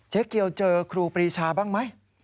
เกียวเจอครูปรีชาบ้างไหม